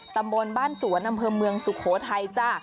ตำบลบ้านสวนอำเภอเมืองสุโขทัยจ้ะ